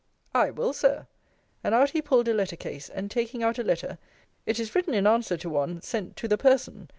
I will, Sir. And out he pulled a letter case, and taking out a letter, it is written in answer to one, sent to the person.